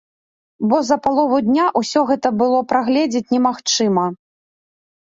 Бо за палову дня ўсё гэта было прагледзець немагчыма.